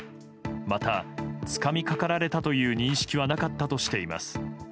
また、つかみかかられたという認識はなかったとしています。